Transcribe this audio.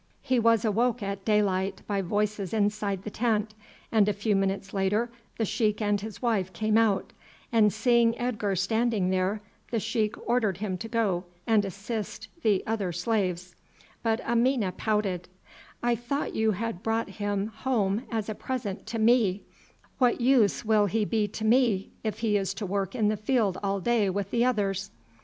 He was awoke at daylight by voices inside the tent, and a few minutes later the sheik and his wife came out, and seeing Edgar standing there the sheik ordered him to go and assist the other slaves; but Amina pouted: "I thought you had brought him home as a present to me; what use will he be to me if he is to work in the field all day with the others?"